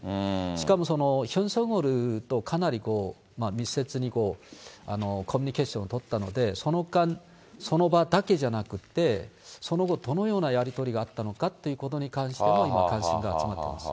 しかもヒョン・ソンウォルとかなり密接にコミュニケーションを取ったので、その場だけじゃなくって、その後、どのようなやり取りがあったのかっていうことに関しても、今、関心が集まってます。